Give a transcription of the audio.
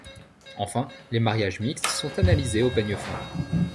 Enfin, les mariages mixtes sont analysés au peigne fin.